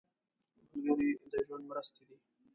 ملګری د ژوند مرستې دی